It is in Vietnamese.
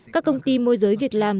các công ty môi giới việc làm